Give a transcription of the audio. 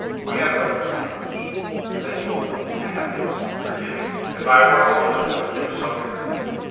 We have no right to punish. And then you will know the happiness of forgiving." "If I were a woman I would do so, Mary.